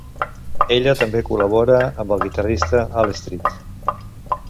Ella també col·labora amb el guitarrista Al Street.